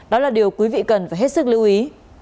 đó là điều quý vị cần phải hết sức lưu ý